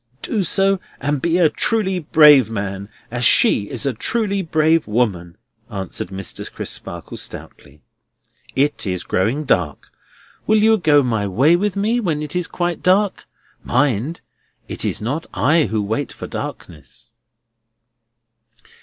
"Do so, and be a truly brave man, as she is a truly brave woman," answered Mr. Crisparkle stoutly. "It is growing dark. Will you go my way with me, when it is quite dark? Mind! it is not I who wait for darkness."